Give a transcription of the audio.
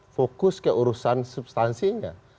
fokus keurusan substansinya